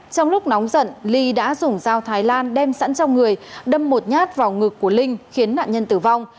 trong lúc nóng giận ly đã dùng dao thái lan đem sẵn trong người đâm một nhát vào ngực của linh khiến nạn nhân tử vong